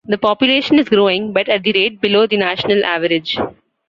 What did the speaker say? The population is growing, but at a rate below the national average.